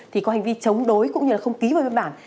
thì có hành vi chống đối cũng như là không ký vào biên bản